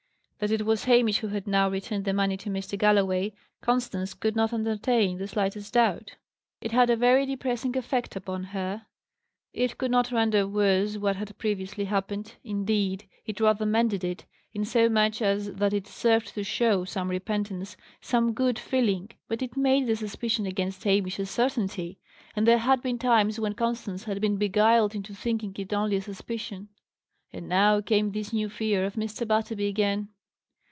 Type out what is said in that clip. That it was Hamish who had now returned the money to Mr. Galloway, Constance could not entertain the slightest doubt. It had a very depressing effect upon her. It could not render worse what had previously happened, indeed, it rather mended it, insomuch as that it served to show some repentance, some good feeling; but it made the suspicion against Hamish a certainty; and there had been times when Constance had been beguiled into thinking it only a suspicion. And now came this new fear of Mr. Butterby again!